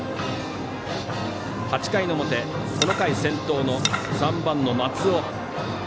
８回の表、この回先頭の３番の松尾。